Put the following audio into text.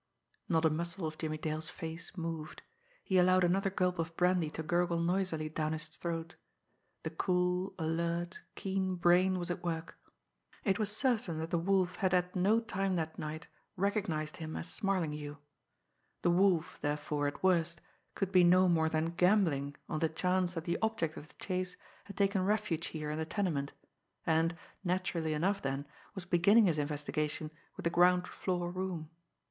_ Not a muscle of Jimmie Dale's face moved. He allowed another gulp of brandy to gurgle noisily down his throat. The cool, alert, keen brain was at work. It was certain that the Wolf had at no time that night recognised him as Smarlinghue. The Wolf, therefore, at worst, could be no more than gambling on the chance that the object of the chase had taken refuge here in the tenement, and, naturally enough then, was beginning his investigation with the ground floor room.